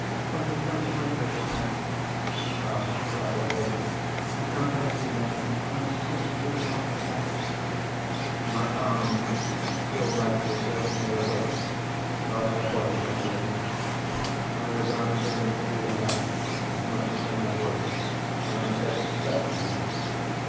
"Will you come to my place tonight?" she asked rapidly. "I can't thank you now. And there's something you can help me about." My arm, still lightly circling her waist, felt her body trembling. I was answering the plea in that as much as in her voice when I said, "Certainly."